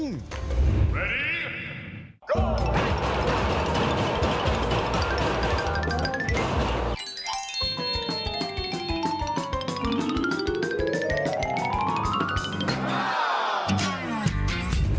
พร้อม